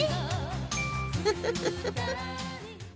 フフフフ。